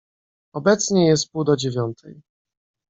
"Obecnie jest pół do dziewiątej."